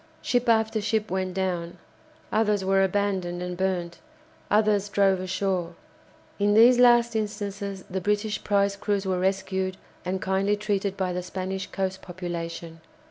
Ship after ship went down, others were abandoned and burnt, others drove ashore. In these last instances the British prize crews were rescued and kindly treated by the Spanish coast population.